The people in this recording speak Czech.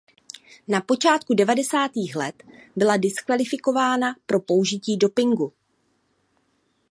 Na počátku devadesátých let byla diskvalifikována pro použití dopingu.